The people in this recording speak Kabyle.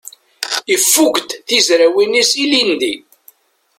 Ifukk-d tizrawin-is ilindi.